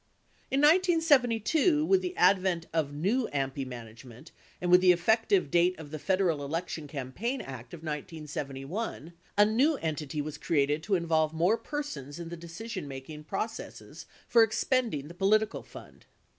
14 In 1972, with the advent of new AMPI management and with the effective date of the Federal Election Campaign Act of 1971, a new entity was created to involve more persons in the decisionmaking proc ess for expending the political fund.